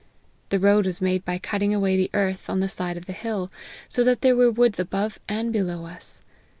The road was made by cut ting away the earth on the side of the hill, so that there were woods above and below us.